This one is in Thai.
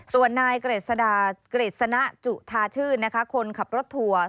ส่วนนายเกรษณะจุธาชื่นคนขับรถทัวร์